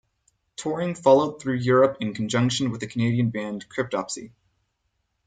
Touring followed through Europe in conjunction with the Canadian band Cryptopsy.